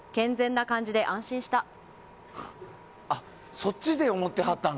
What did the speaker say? そっちで思ってはったんだ。